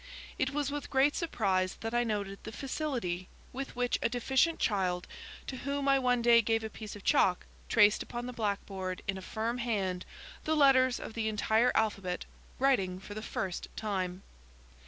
It was with great surprise that I noted the facility with which a deficient child, to whom I one day gave a piece of chalk, traced upon the blackboard, in a firm hand, the letters of the entire alphabet, writing for the first time.